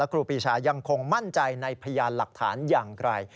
ครูปีชายังคงมั่นใจในพยานหลักฐานอย่างไกล